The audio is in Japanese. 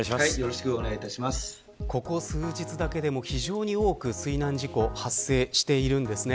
ここ数日だけでも、非常に多く水難事故発生しているんですね。